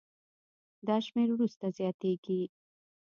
دا شمېر وروسته زیاتېږي.